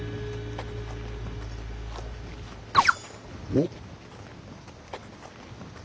おっ！